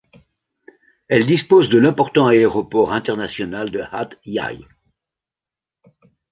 Elle dispose de l'important aéroport international de Hat Yai.